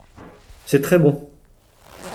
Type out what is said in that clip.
C’est très bon.